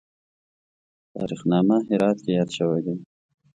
په تاریخ نامه هرات کې یاد شوی دی.